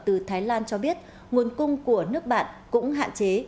từ thái lan cho biết nguồn cung của nước bạn cũng hạn chế